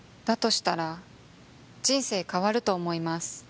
したら人生変わると思います